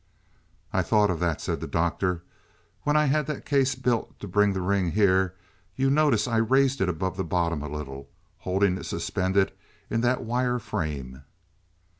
"I thought of that," said the Doctor. "When I had that case built to bring the ring here, you notice I raised it above the bottom a little, holding it suspended in that wire frame."